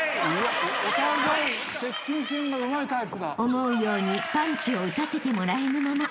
［思うようにパンチを打たせてもらえぬまま］